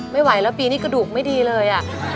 ไม่ไหวแล้วปีนี้กระดูกไม่ดีเลย